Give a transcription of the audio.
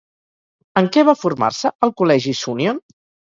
En què va formar-se al col·legi Súnion?